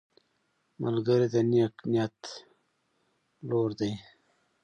ملګری د نیک نیت لور دی